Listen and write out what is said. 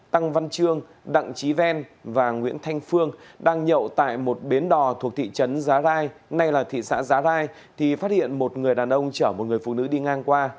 tăng văn chương đặng trí ven và nguyễn thanh phương đang nhậu tại một bến đò thuộc thị trấn giá rai nay là thị xã giá rai thì phát hiện một người đàn ông chở một người phụ nữ đi ngang qua